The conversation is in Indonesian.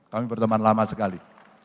kami berteman lama sekali